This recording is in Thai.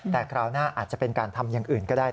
แต่คราวหน้าอาจจะเป็นการทำอย่างอื่นก็ได้